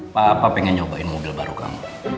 papa pengen nyobain mobil baru kamu